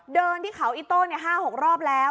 เดินที่เขาอิโต้๕๖รอบแล้ว